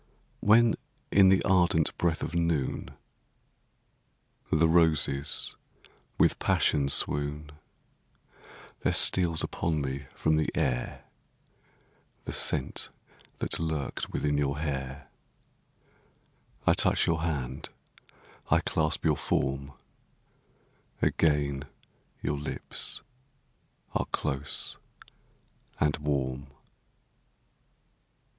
When, in the ardent breath of noon, The roses with passion swoon; There steals upon me from the air The scent that lurked within your hair; I touch your hand, I clasp your form Again your lips are close and warm.